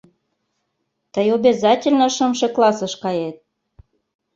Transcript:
Тый обязательно шымше классыш кает.